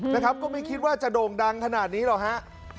นะครับก็ไม่คิดว่าจะโด่งดังขนาดนี้หรอกฮะ